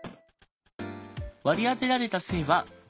割り当てられた性は「女性」。